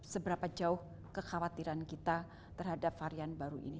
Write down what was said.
seberapa jauh kekhawatiran kita terhadap varian baru ini